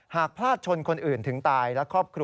หากพลาดชนคนอื่นถึงตายและครอบครัว